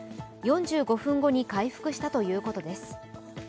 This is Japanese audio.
４５分後に回復したということです。